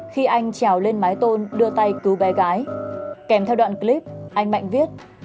khi anh trèo lên mái tôn đưa tay cứu bé gái kèm theo đoạn clip anh mạnh viết